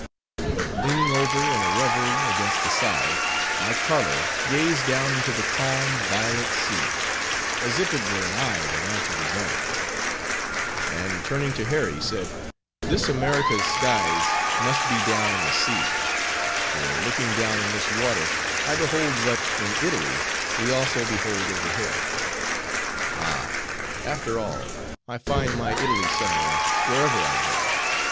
But leaning over, in a reverie, against the side, my Carlo gazed down into the calm, violet sea, as if it were an eye that answered his own; and turning to Harry, said, "This America's skies must be down in the sea; for, looking down in this water, I behold what, in Italy, we also behold overhead. Ah! after all, I find my Italy somewhere, wherever I go.